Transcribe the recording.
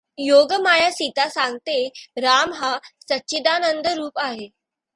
योगमाया सीता सांगते राम हा सच्चिदानंदरूप आहे.